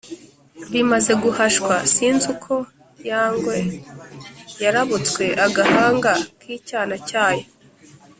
bimaze guhashwa, sinzi uko ya ngwe yarabutswe agahanga k'icyana cyayo